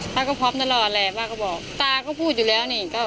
ป้าก็พร้อมตลอดแหละป้าก็บอกตาก็พูดอยู่แล้วนี่